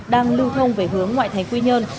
đang lưu thông về hướng ngoại thành quy nhơn